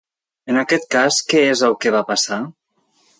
En aquest cas, què és el que va passar?